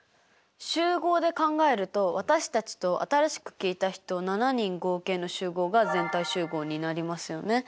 集合で考えると私たちと新しく聞いた人７人合計の集合が全体集合になりますよね。